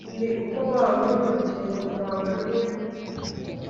ni uko wabura urugingo rwawe rumwe